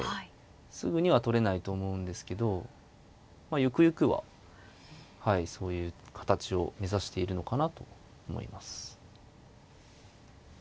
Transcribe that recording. すぐには取れないと思うんですけどゆくゆくはそういう形を目指しているのかなと思います。